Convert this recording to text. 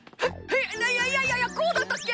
いやいやいやこうだったっけ？